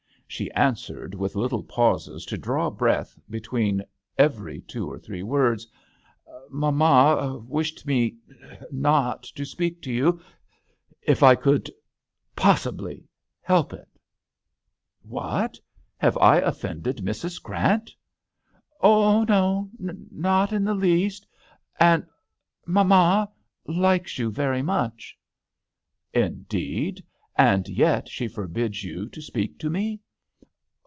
She answered, with little pauses to draw breath between every two or three words :" Mamma wished me not to speak to you, if I could possibly help it." I 44 THB HOTEL D'ANGLBTERRE. "What! Have I offended Mrs, Grant ?"*' Oh, no, not in the least ; and mamma likes you very much." " Indeed ! And yet she forbids you to speak to me